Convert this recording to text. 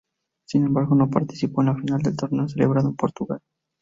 Sin embargo, no participó en la final del torneo celebrado en Portugal.